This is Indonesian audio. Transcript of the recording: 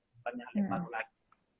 bukan hal yang baru lagi